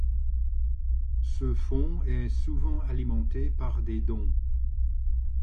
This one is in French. Ce fonds est souvent alimenté par des dons.